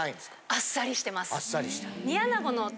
あっさりしてる。